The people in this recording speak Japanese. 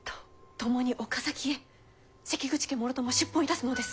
共に岡崎へ関口家もろとも出奔いたすのです。